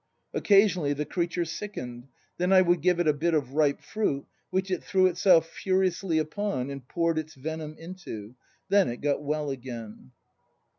Occasion ally the creature sickened; then I would give it a bit of ripe fruit, which it threw itself furiously upon and poured its venom into; then it got well again."